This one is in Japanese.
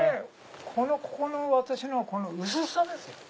ここの薄さですよ。